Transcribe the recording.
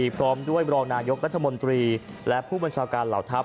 พร้อมด้วยบรองนายกรัฐมนตรีและผู้บัญชาการเหล่าทัพ